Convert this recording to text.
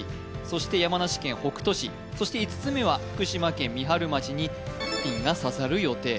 そして山梨県北杜市そして５つ目は福島県三春町にピンが刺さる予定